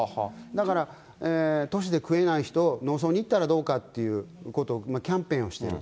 だから、都市で食えない人を、農村に行ったらどうかということをキャンペーンをしてる。